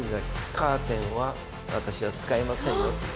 カーテンは私は使いませんよっていう。